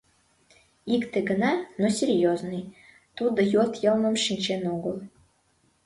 Икте гына, но серьёзный: тудо йот йылмым шинчен огыл.